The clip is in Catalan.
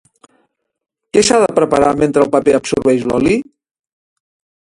Què s'ha de preparar mentre el paper absorbeix l'oli?